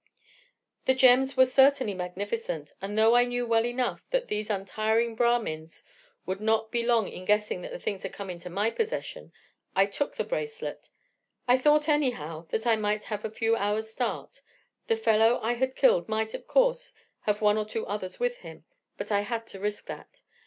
"The gems were certainly magnificent; and though I knew well enough that these untiring Brahmins would not be long in guessing that the things had come into my possession, I took the bracelet. I thought, anyhow, that I might have a few hours' start; the fellow I had killed might, of course, have one or two others with him, but I had to risk that.